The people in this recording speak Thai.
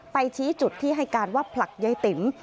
ชี้จุดที่ให้การว่าผลักยายติ๋ม